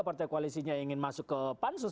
partai koalisinya ingin masuk ke pansus